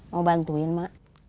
mau bantuin mak